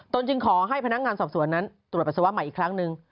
จึงขอให้พนักงานสอบสวนนั้นตรวจปัสสาวะใหม่อีกครั้งหนึ่ง